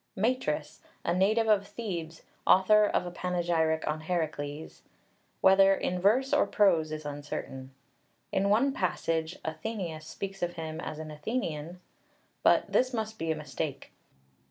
MATRIS, a native of Thebes, author of a panegyric on Herakles, whether in verse or prose is uncertain. In one passage Athenaeus speaks of him as an Athenian, but this must be a mistake.